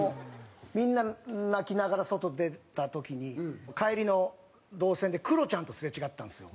みんな泣きながら外出た時に帰りの動線でクロちゃんとすれ違ったんですよ